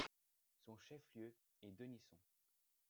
Son chef-lieu est Denison.